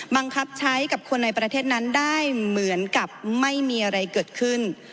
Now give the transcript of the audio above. บังคับใช้กับคนในประเทศนั้นได้เหมือนกับไม่มีอะไรเกิดขึ้น